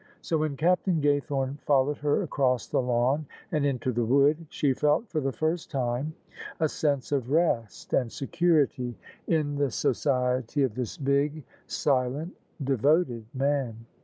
So when Captain Gaythorne followed her across the lawn and into the wood, she felt for the first time a sense of rest and security in the [io8] OF ISABEL CARNABY society of this big, silent, devoted man.